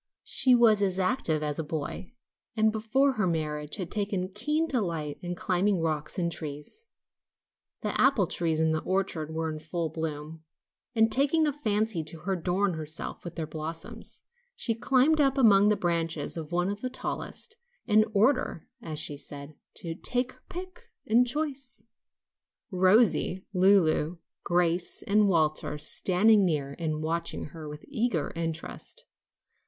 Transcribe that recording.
She was as active as a boy, and before her marriage had taken keen delight in climbing rocks and trees. The apple trees in the orchard were in full bloom, and taking a fancy to adorn herself with their blossoms, she climbed up among the branches of one of the tallest, in order, as she said, to "take her pick and choice," Rosie, Lulu, Gracie and Walter standing near and watching her with eager interest.